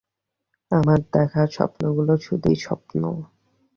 আমার দেখা স্বপ্নগুলো শুধুই স্বপ্ন।